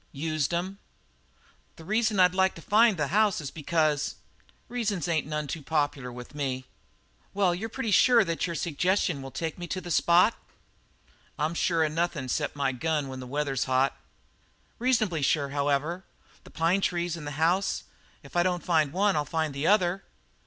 "Used 'em." "The reason I'd like to find the house is because " "Reasons ain't none too popular with me." "Well, you're pretty sure that your suggestion will take me to the spot?" "I'm sure of nothing except my gun when the weather's hot." "Reasonably sure, however? The pine trees and the house if I don't find one I'll find the other."